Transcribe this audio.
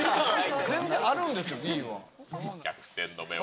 全然あるんですよ、Ｂは。